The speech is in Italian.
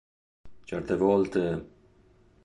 Certe volte...